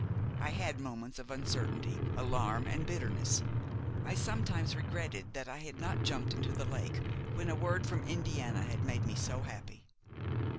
I had moments of uncertainty, alarm and bitterness; I sometimes regretted that I had not jumped into the lake when a word from Indiana had made me so happy.